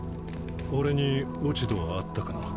俺に落ち度はあったかな？